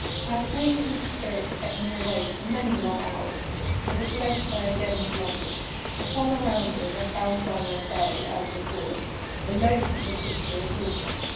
Agitation of spirit kept me awake for many long hours, but at length I again slumbered. Upon arousing, I found by my side, as before, a loaf and a pitcher of water.